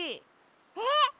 えっ！？